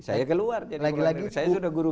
saya keluar saya sudah guru